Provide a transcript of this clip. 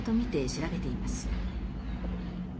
調べています。